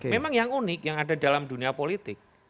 memang yang unik yang ada dalam dunia politik